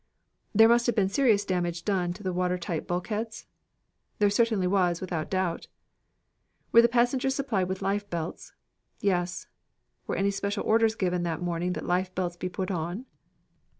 "There must have been serious damage done to the water tight bulkheads?" "There certainly was, without doubt." "Were the passengers supplied with lifebelts?" "Yes." "Were any special orders given that morning that lifebelts be put on?"